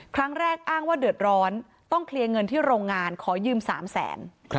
ครั้งแรกอ้างว่าเดือดร้อนต้องเคลียร์เงินที่โรงงานขอยืม๓๐๐๐๐๐บาท